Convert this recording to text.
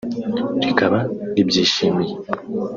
rikaba ribyishimiye